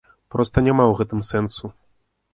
Проста няма ў гэтым сэнсу.